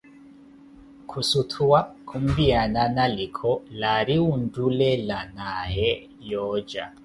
Khusuthuwa, khumpiyana na liikho aari wunttulelanaawe yooca.